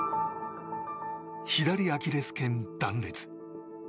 左アキレス腱断裂。